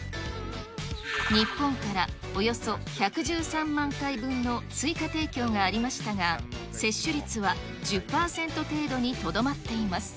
日本からおよそ１１３万回分の追加提供がありましたが、接種率は１０％程度にとどまっています。